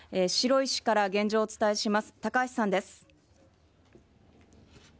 白石から現状をお伝えします。